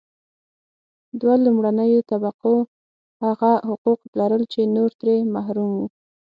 دوه لومړنیو طبقو هغه حقوق لرل چې نور ترې محروم وو.